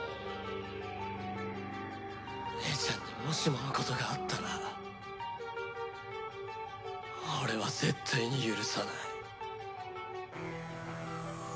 姉ちゃんにもしものことがあったら俺は絶対に許さない。